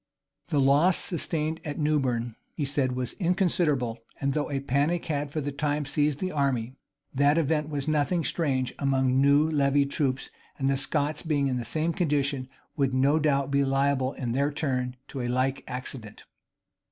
The loss sustained at Newburn, he said, was inconsiderable and though a panic had for the time seized the army, that event was nothing strange among new levied troops and the Scots, being in the same condition, would no doubt be liable in their turn to a like accident.